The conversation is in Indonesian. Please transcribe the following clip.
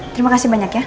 terima kasih banyak ya